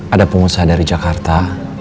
ada pengusaha dari jakarta